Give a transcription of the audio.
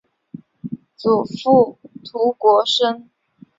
祖父涂国升。